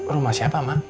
rumah siapa mak